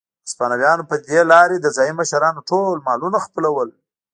هسپانویانو په دې لارې د ځايي مشرانو ټول مالونه خپلول.